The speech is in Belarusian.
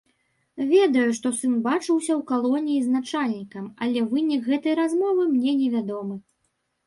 Ведаю, што сын бачыўся ў калоніі з начальнікам, але вынік гэтай размовы мне невядомы.